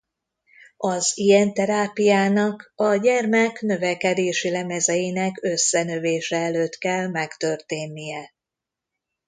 Az ilyen terápiának a gyermek növekedési lemezeinek összenövése előtt kell megtörténnie.